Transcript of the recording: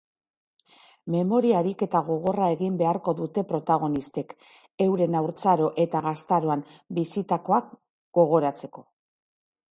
Memoria ariketa gogorra egin beharko dute protagonistek euren haurtzaro eta gaztaroan bizitakoak gogoratzeko.